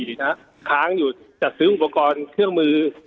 ค้างอยู่จัดซื้ออุปกรณ์เครื่องมือ